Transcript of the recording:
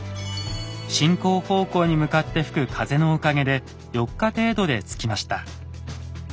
進行方向に向かって吹く風のおかげで４日程度で着きました。